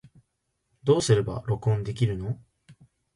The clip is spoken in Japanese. どうすれば録音できるの